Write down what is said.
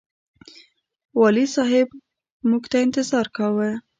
والي صاحب موږ ته انتظار کاوه.